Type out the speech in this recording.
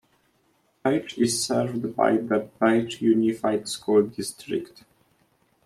Page is served by the Page Unified School District.